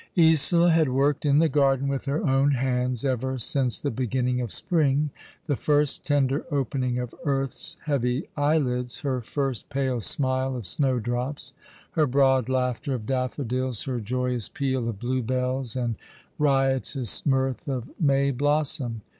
Isola had worked in the garden with her own hands ever since the beginning of spring, the first tender opening of Earth's heavy eyelids, her first pale smile of snowdrops, her broad laughter of daffodils, her joyous peal of bluebells, and ^' A Love still btirning npivardy 83 riotous mirth of May blossom.